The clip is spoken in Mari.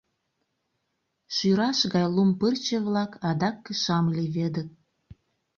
Шӱраш гай лум пырче-влак адак кышам леведыт.